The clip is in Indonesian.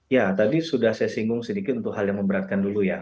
ya tadi sudah saya singgung sedikit untuk hal yang memberatkan dulu ya